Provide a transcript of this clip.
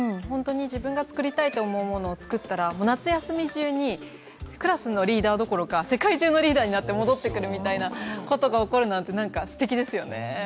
自分が作りたいと思うものを作ったら夏休み中にクラスのリーダーどころか世界中のリーダーになって戻ってくるみたいなことが起こるなんてすてきですよね。